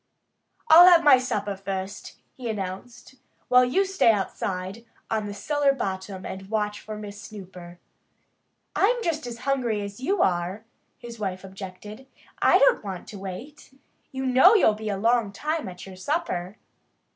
"I'll have my supper first," he announced, "while you stay outside on the cellar bottom and watch for Miss Snooper." "I'm just as hungry as you are," his wife objected. "I don't want to wait. You know you'll be a long time at your supper."